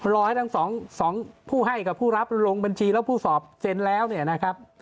รอให้ทั้งสองผู้ให้กับผู้รับลงบัญชีแล้วผู้สอบเซ็นแล้วเนี่ยนะครับ